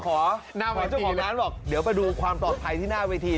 ขอช่องของร้านบอกเดี๋ยวไปดูความตอบทัยที่หน้าเวที